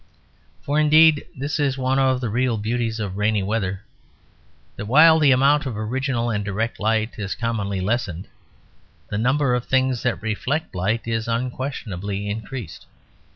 For indeed this is one of the real beauties of rainy weather, that while the amount of original and direct light is commonly lessened, the number of things that reflect light is unquestionably increased.